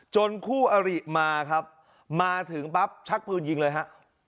คู่อริมาครับมาถึงปั๊บชักปืนยิงเลยฮะ